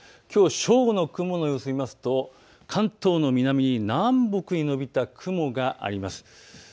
きょう正午の雲の様子を見ますと関東の南に南北に延びた雲があります。